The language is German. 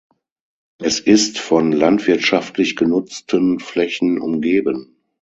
Es ist von landwirtschaftlich genutzten Flächen umgeben.